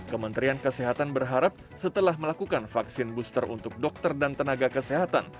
kementerian kesehatan berharap setelah melakukan vaksin booster untuk dokter dan tenaga kesehatan